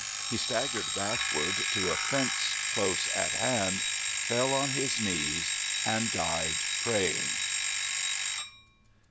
He staggered backward to a fence close at hand, fell on his knees, and died praying.